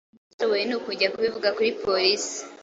icyo yashoboye ni ukujya kubivuga kuri polisi